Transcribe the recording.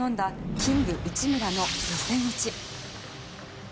キング内村の予選落ち。